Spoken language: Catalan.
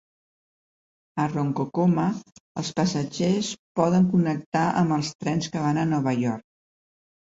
A Ronkonkoma, els passatgers poden connectar amb els trens que van a Nova York.